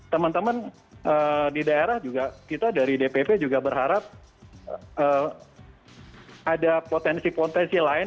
teman teman di daerah juga kita dari dpp juga berharap ada potensi potensi lain